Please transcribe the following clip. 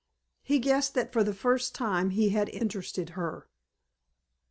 He guessed that for the first time he had interested her.